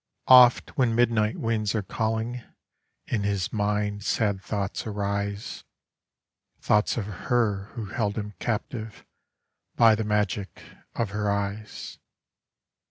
Oft when midnight winds are calling in his mind sad thoughts arise, Thoughts of her who held him captive by the magic of her eyes.